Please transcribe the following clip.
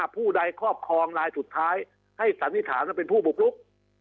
ผู้ใดครอบครองลายสุดท้ายให้สันนิษฐานว่าเป็นผู้บุกลุก